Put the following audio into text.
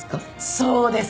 そうです！